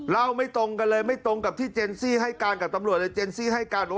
เล่าไม่ตรงกันเลยไม่ตรงกับที่เจนซี่ให้การกับตำรวจเลย